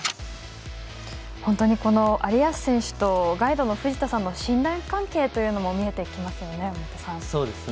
本当に有安選手とガイドの藤田さんの信頼関係というのも見えてきますよね。